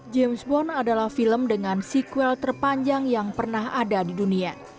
james bond adalah film dengan sequel terpanjang yang pernah ada di dunia